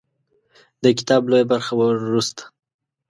د کتاب لویه برخه وروسته